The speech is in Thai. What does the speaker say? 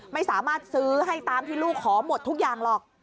ไม่สามารถซื้อให้ตามที่ลูกขอหมดทุกอย่างหรอก